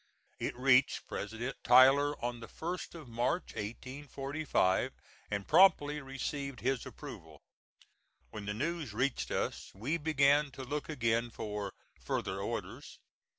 It reached President Tyler on the 1st of March, 1845, and promptly received his approval. When the news reached us we began to look again for "further orders."